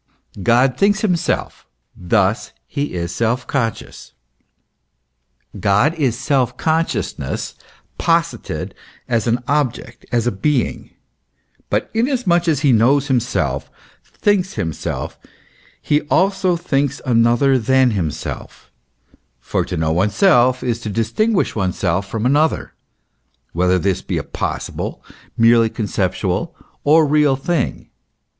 God thinks himself: thus he is self conscious. God is self consciousness posited as an object, as a being ; but inasmuch as he knows himself, thinks himself, he also thinks another than himself; for to know oneself is to distinguish oneself from another, whether this be a possible, merely con cept] on al, or a real being.